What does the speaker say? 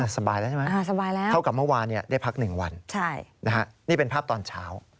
สบายแล้วใช่ไหมสบายแล้วเท่ากับเมื่อวานได้พัก๑วันนี่เป็นภาพตอนเช้า